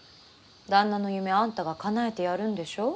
旦那の夢あんたがかなえてやるんでしょ？